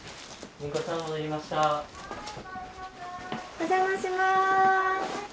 お邪魔します。